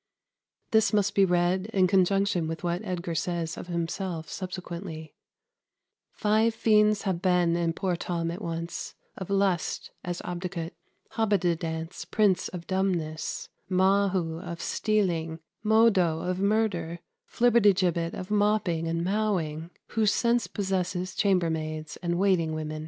] This must be read in conjunction with what Edgar says of himself subsequently: "Five fiends have been in poor Tom at once; of lust, as Obidicut; Hobbididance, prince of dumbness; Mahu, of stealing; Modo, of murder; Flibbertigibbet, of mopping and mowing; who since possesses chamber maids and waiting women."